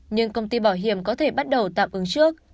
nhưng công ty bảo hiểm có thể bắt đầu tạm ứng trước